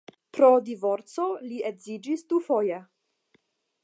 Pro divorco li edziĝis dufoje.